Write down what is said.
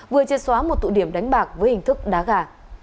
vừa chia xóa một tụ điểm đánh bạc với hình thức đá gà